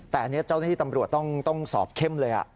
แต่อันนี้เจ้าหน้าที่ตำรวจต้องสอบเข้มเลย